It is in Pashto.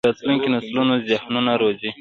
استاد د راتلونکي نسلونو ذهنونه روزي.